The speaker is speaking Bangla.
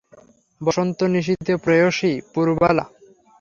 বসন্তনিশীথে প্রেয়সী– পুরবালা।